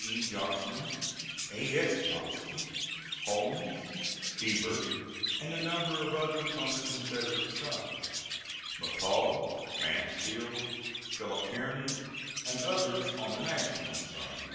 E. Johnston, A. S. Johnston, Holmes, Hebert and a number of others on the Confederate side; McCall, Mansfield, Phil. Kearney and others on the National side.